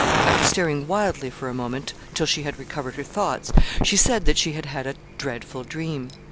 After staring wildly for a moment till she had recovered her thoughts, she said that she had had a dreadful dream.